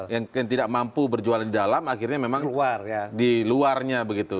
yang tidak mampu berjualan di dalam akhirnya memang di luarnya begitu